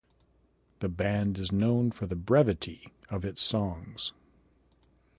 The band is known for the brevity of its songs.